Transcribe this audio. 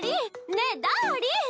ねえダーリン！